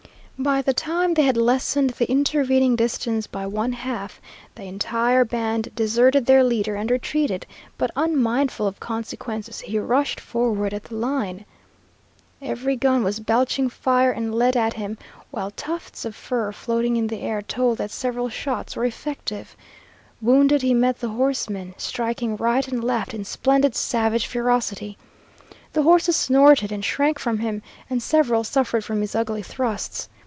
By the time they had lessened the intervening distance by one half, the entire band deserted their leader and retreated, but unmindful of consequences he rushed forward at the line. Every gun was belching fire and lead at him, while tufts of fur floating in the air told that several shots were effective. Wounded he met the horsemen, striking right and left in splendid savage ferocity. The horses snorted and shrank from him, and several suffered from his ugly thrusts.